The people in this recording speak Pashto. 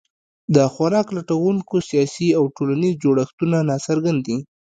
د خوراک لټونکو سیاسي او ټولنیز جوړښتونه ناڅرګند دي.